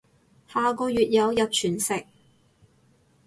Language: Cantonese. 下個月有日全食